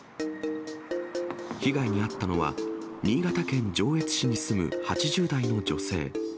被害に遭ったのは、新潟県上越市に住む８０代の女性。